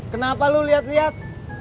kenapa lo liat liat